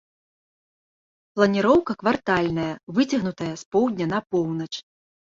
Планіроўка квартальная, выцягнутая з поўдня на поўнач.